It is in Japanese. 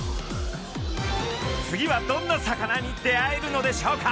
次はどんな魚に出会えるのでしょうか？